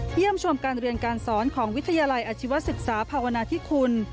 เยี่ยมชมการเรียนการสอนของวิทยาลัยอาชีวศึกษาภาวนาธิคุณ